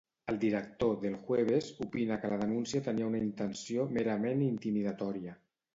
El director dEl Jueves opina que la denúncia tenia una intenció merament intimidatòria.